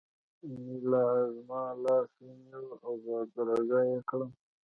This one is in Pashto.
انیلا زما لاس ونیو او بدرګه یې کړم